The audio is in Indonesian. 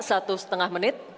satu setengah menit